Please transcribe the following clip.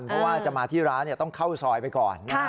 เพราะว่าจะมาที่ร้านต้องเข้าซอยไปก่อน